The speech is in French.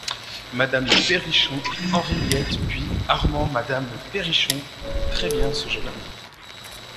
Madame Perrichon, Henriette ; puis ARMAND MADAME PERRICHON Il est très-bien, ce jeune homme !